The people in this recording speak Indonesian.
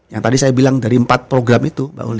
yang tadi saya bilang dari empat program itu